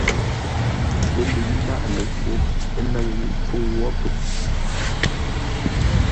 Pə́ lə̌i máʼ ləghǒ, ə́ náŋ yʉ pfuŋ wó po.